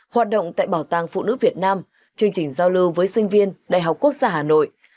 hoạt động tại bảo tàng phụ nữ việt nam chương trình giao lưu với sinh viên đại học quốc gia hà nội